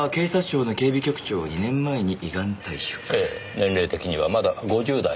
年齢的にはまだ５０代なのに。